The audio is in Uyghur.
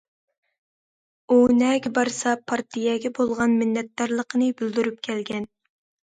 ئۇ نەگە بارسا پارتىيەگە بولغان مىننەتدارلىقىنى بىلدۈرۈپ كەلگەن.